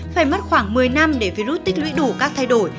phải mất khoảng một mươi năm để virus tích lũy đủ các thay đổi